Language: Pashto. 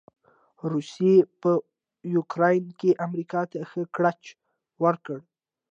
روسې په يوکراين کې امریکا ته ښه ګړچ ورکړ.